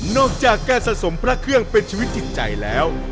จากการสะสมพระเครื่องเป็นชีวิตจิตใจแล้ว